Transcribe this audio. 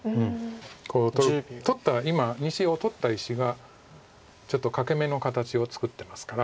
コウを取る取ったら今２子を取った石がちょっと欠け眼の形を作ってますから。